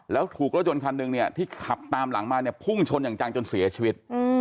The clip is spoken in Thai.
แล้วถูกรถยนต์คันหนึ่งเนี่ยที่ขับตามหลังมาเนี่ยพุ่งชนอย่างจังจนเสียชีวิต